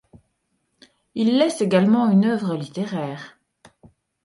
Il laisse également une œuvre littéraire.